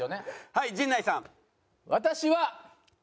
はい陣内さん。